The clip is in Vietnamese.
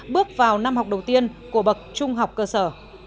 bước vào năm học đầu tiên của bậc trung học cơ sở